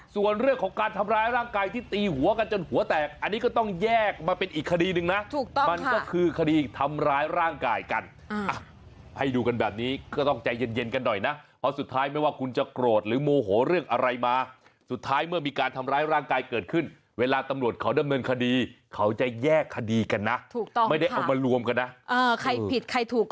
ส่วนเรื่องของการทำร้ายร่างกายที่ตีหัวกันจนหัวแตกอันนี้ก็ต้องแยกมาเป็นอีกคดีหนึ่งนะถูกต้องมันก็คือคดีทำร้ายร่างกายกันให้ดูกันแบบนี้ก็ต้องใจเย็นกันหน่อยนะเพราะสุดท้ายไม่ว่าคุณจะโกรธหรือโมโหเรื่องอะไรมาสุดท้ายเมื่อมีการทำร้ายร่างกายเกิดขึ้นเวลาตำรวจเขาดำเนินคดีเขาจะแยกคดีกันนะถูกต้องไม่ได้เอามารวมกันนะ